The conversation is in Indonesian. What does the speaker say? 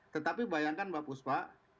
tetapi bayangkan mbak puspa